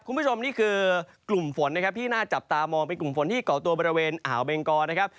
คุณผู้ชมนี่คือกลุ่มฝนนะครับที่น่าจับตามองเป็นกลุ่มฝนที่เกาะตัวบริเวณอ่าวเบงกอนะครับ